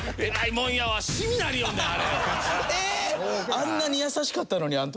あんなに優しかったのにあの時。